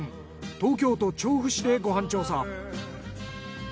東京都調布市でご飯調査。